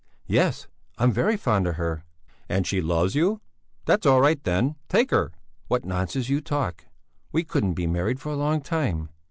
"Yes, I'm very fond of her." "And she loves you? That's all right, then! Take her!" "What nonsense you talk! We couldn't be married for a long time!"